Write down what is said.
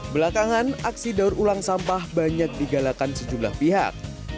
belakangan aksi daur ulang sampah banyak digalakan sejumlah pihak